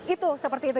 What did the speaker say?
itu seperti itu